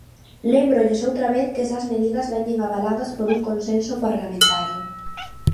Lémbrolles outra vez que esas medidas veñen avaladas por un consenso parlamentario.